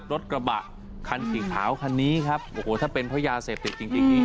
รถกระบะขันสิ่งขาวคันนี้ถ้าเป็นเพราะยาเสพติดจริง